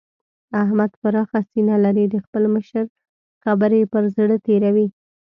احمد پراخه سينه لري؛ د خپل مشر خبرې پر زړه تېروي.